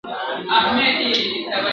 هم په منډه پهلوان وو تر هوسیانو !.